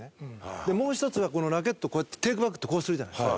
でもう１つはこのラケットこうやってテイクバックってこうするじゃないですか。